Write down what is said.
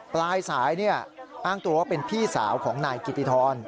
ปลายสายอ้างตัวว่าเป็นพี่สาวของนายกิติธร